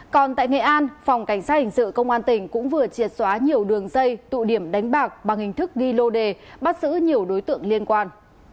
còn tại nghệ an phòng cảnh sát hình sự công an tỉnh cũng vừa triệt xóa nhiều đường dây tụ điểm đánh bạc bằng hình thức ghi lô đề bắt giữ nhiều đối tượng liên quan